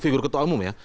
figur ketua umum ya